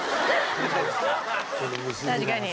確かに。